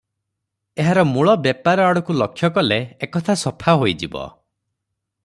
ଏହାର ମୂଳ ବେପାର ଆଡ଼କୁ ଲକ୍ଷ୍ୟ କଲେ ଏକଥା ସଫା ହୋଇଯିବ ।